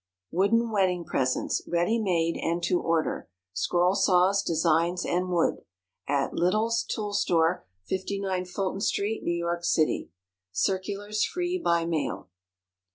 WOODEN WEDDING PRESENTS Ready made and to order. SCROLL SAWS, DESIGNS, AND WOOD, At LITTLE'S TOOL STORE, 59 Fulton St., N. Y. City. Circulars free by mail.